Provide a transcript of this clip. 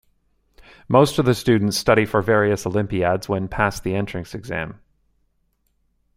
Most of the student study for various Olympiads when pass the entrance exam.